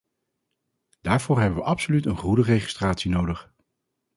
Daarvoor hebben we absoluut een goede registratie nodig.